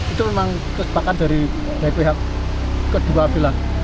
itu memang kesepakatan dari pihak kedua belah